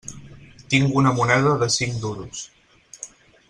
Tinc una moneda de cinc duros.